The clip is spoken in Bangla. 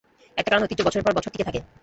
একটা কারণে ঐতিহ্য বছরের পর বছর টিকে থাকে।